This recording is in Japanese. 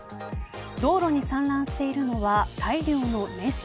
道路に散乱しているのは大量のねじ。